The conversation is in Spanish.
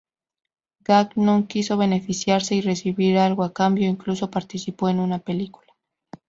Gagnon, quiso beneficiarse y recibir algo a cambio, incluso participó en una película.